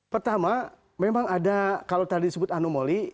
pertama memang ada kalau tadi disebut anomoli